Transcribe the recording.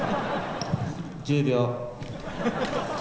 １０秒。